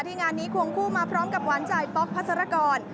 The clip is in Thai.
ที่งานนี้ควงคู่มาพร้อมกับวัญจ่ายป๊อกพัสรกร